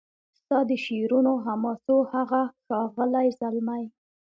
ستا د شعرونو حماسو هغه ښاغلی زلمی